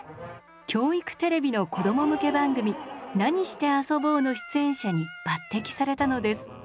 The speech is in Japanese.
教育テレビの子供向け番組「なにしてあそぼう」の出演者に抜てきされたのです。